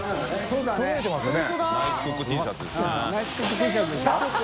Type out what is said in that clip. そうですよね